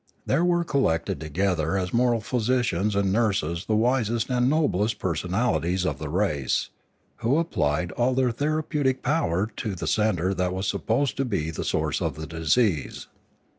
There were collected together as moral physicians and nurses the wisest and noblest personalities of the race, who applied all their therapeu tic power to the centre that was supposed to be the source of the disease.